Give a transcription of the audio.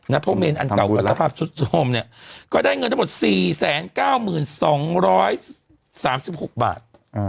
เพราะเมนอันเก่ากว่าสภาพชุดโฮมเนี่ยก็ได้เงินทั้งหมด๔๙๒๓๖บาท